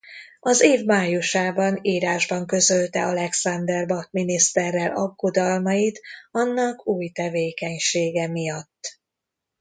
Az év májusában írásban közölte Alexander Bach miniszterrel aggodalmait annak új tevékenysége miatt.